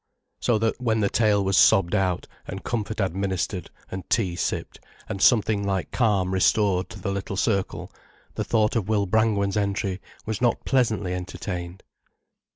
So that, when the tale was sobbed out, and comfort administered and tea sipped, and something like calm restored to the little circle, the thought of Will Brangwen's entry was not pleasantly entertained.